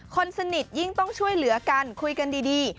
คนสนิทยิ่งต้องช่วยเหลือกันคุยกันดี